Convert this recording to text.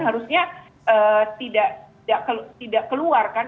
harusnya tidak keluar kan